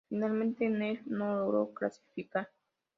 Finalmente en el no logró clasificar.